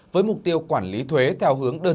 với mục tiêu quản lý thuế theo hướng tài chính